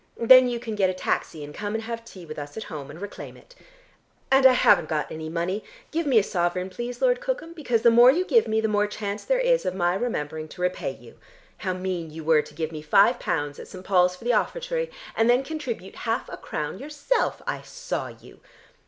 Then you can get a taxi and come and have tea with us at home, and reclaim it. And I haven't got any money; give me a sovereign, please, Lord Cookham, because the more you give me, the more chance there is of my remembering to repay you. How mean you were to give me five pounds at St. Paul's for the offertory, and then contribute half a crown yourself. I saw you.